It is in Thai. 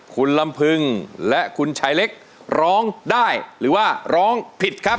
คุณลำพึงและคุณชายเล็กร้องได้หรือว่าร้องผิดครับ